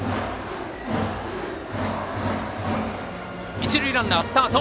一塁ランナー、スタート。